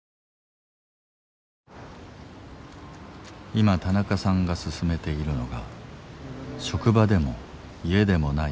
今田中さんが進めているのが職場でも家でもない居場所の確保。